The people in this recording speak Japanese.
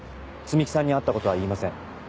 摘木さんに会ったことは言いません。